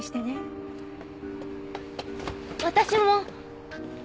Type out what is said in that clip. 私も。